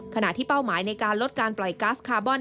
ขณะที่เป้าหมายในการลดการปล่อยกัสคาร์บอน